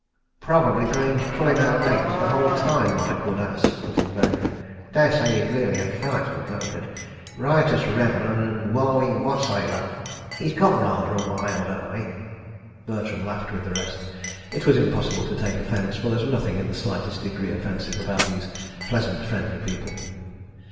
"Probably Greene's pulling our legs the whole time, my good ass," put in Vereker. "Dare say he's really a frightful drunkard. Riotous reveller and wallowing wassailer. ... He's got rather a wild eye. ..." Bertram laughed with the rest. It was impossible to take offence, for there was nothing in the slightest degree offensive about these pleasant, friendly people.